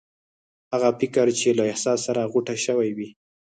هغه فکر چې له احساس سره غوټه شوی وي.